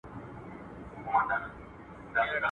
تاریخي کرنه په لاسونو کېدله.